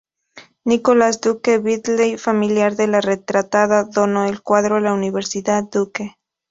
Nicholas Duke Biddle, familiar de la retratada, donó el cuadro a la Universidad Duke.